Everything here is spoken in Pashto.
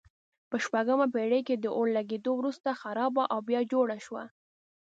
په شپږمه پېړۍ کې د اور لګېدو وروسته خرابه او بیا جوړه شوه.